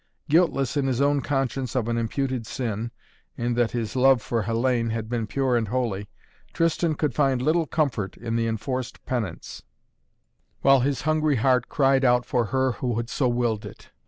Guiltless in his own conscience of an imputed sin, in that his love for Hellayne had been pure and holy, Tristan could find little comfort in the enforced penance, while his hungry heart cried out for her who had so willed it.